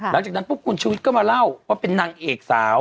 หลังจากนั้นปุ๊บคุณชุวิตก็มาเล่าว่าเป็นนางเอกสาว